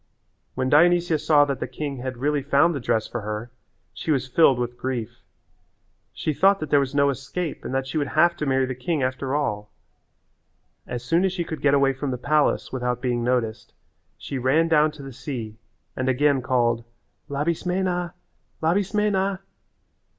When Dionysia saw that the king had really found the dress for her she was filled with grief. She thought that there was no escape and that she would have to marry the king after all. As soon as she could get away from the palace without being noticed she ran down to the sea and again called, "Labismena, Labismena."